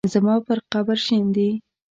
زما پر قبر شیندي